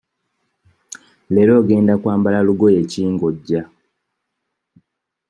Leero ogenda kwambala lugoye ki nga ojja?